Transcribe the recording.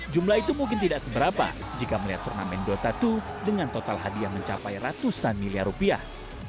jumlah itu mungkin tidak seberapa jika melihat turnamen dota dua dengan total hadiah mencapai ratusan miliar rupiah